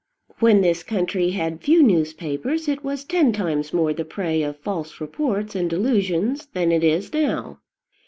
When this country had few newspapers it was ten times more the prey of false reports and delusions than it is now.